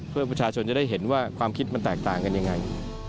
เพื่อประชาชนจะได้เห็นว่าความคิดมันแตกต่างกันยังไง